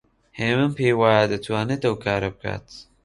هێمن پێی وایە دەتوانێت ئەو کارە بکات.